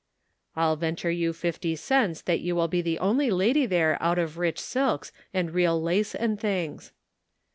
I'll venture you fifty cents that you will be the only lady there out of rich silks and real lace and things."